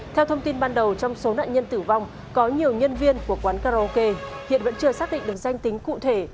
theo thông tin ban đầu trong số nạn nhân tử vong có nhiều nhân viên của quán karaoke hiện vẫn chưa xác định được danh tính cụ thể